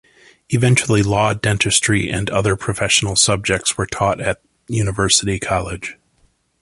Eventually, law, dentistry and other professional subjects were taught at University College.